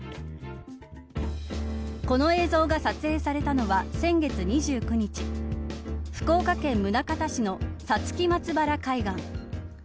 この映像が撮影されたのは先月２９日福岡県宗像市のさつき松原海岸。